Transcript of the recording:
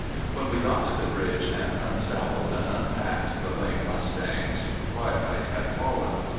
When we got to the bridge and unsaddled and unpacked the lame mustangs twilight had fallen.